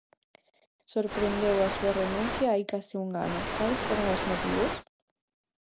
Sorprendeu a súa renuncia hai case un ano, cales foron os motivos?